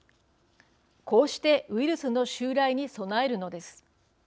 こうしてウイルスの襲来に備えるのです。